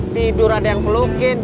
tidur ada yang pelukin